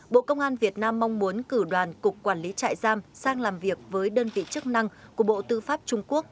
bộ công an việt nam mong muốn cử đoàn cục quản lý trại giam sang làm việc với đơn vị chức năng của bộ tư pháp trung quốc